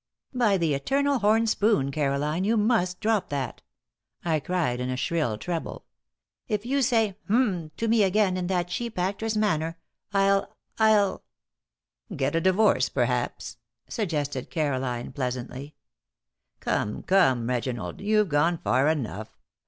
"By the eternal horn spoon, Caroline, you must drop that!" I cried, in a shrill treble. "If you say 'h'm' to me again in that cheap actor's manner I'll I'll " "Get a divorce, perhaps," suggested Caroline, pleasantly. "Come, come, Reginald, you've gone far enough.